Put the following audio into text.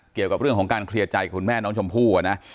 เกี่ยวกับเรื่องของการเคลียร์ใจคุณแม่น้องชมพู่นะ